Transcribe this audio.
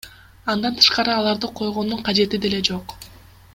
Андан тышкары аларды койгондун кажети деле жок.